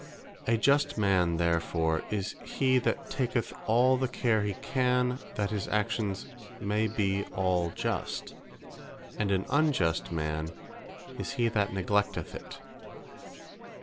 A Just man therefore, is he that taketh all the care he can, that his Actions may be all Just: and an Unjust man, is he that neglecteth it.